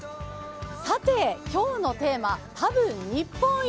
さて、今日のテーマ、「多分日本一！？